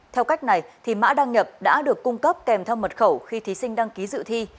theo cách này mã đăng nhập đã được cung cấp kèm theo mật khẩu khi thí sinh đăng ký dự thi